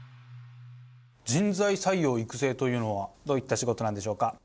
人材採用・育成というのはどういった仕事なんでしょうか？